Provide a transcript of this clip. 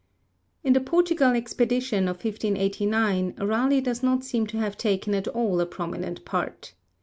In the Portugal expedition of 1589 Raleigh does not seem to have taken at all a prominent part.